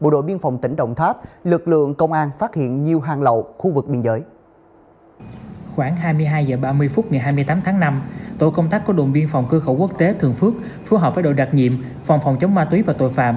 khoảng hai mươi hai h ba mươi phút ngày hai mươi tám tháng năm tổ công tác của đồn biên phòng cơ khẩu quốc tế thường phước phù hợp với đội đặc nhiệm phòng phòng chống ma túy và tội phạm